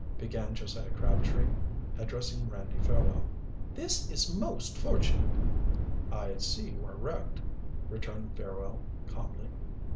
began Josiah Crabtree, addressing Randy Fairwell. "This is most fortunate." "I see you are wrecked," returned Fairwell calmly.